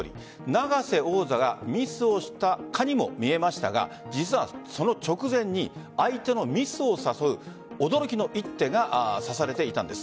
永瀬王座がミスをしたかにも見えましたが実はその直前に相手のミスを誘う驚きの一手が指されていたんです。